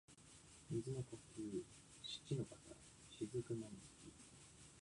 水の呼吸漆ノ型雫波紋突き（しちのかたしずくはもんづき）